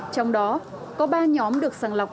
trong đó có ba nhóm được sàng lọc